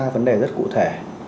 ba vấn đề rất cụ thể